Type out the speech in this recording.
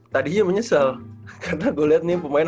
tadinya menyesal karena gua liat nih pemain